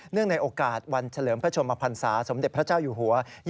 ในโอกาสวันเฉลิมพระชมพันศาสมเด็จพระเจ้าอยู่หัว